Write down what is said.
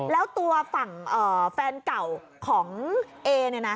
แล้วตัวฝั่งแฟนเก่าของเอเนี่ยนะ